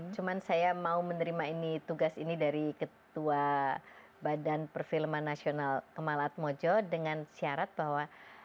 cuma saya mau menerima ini tugas ini dari ketua badan perfilman nasional kemalat mojo dengan syarat bahwa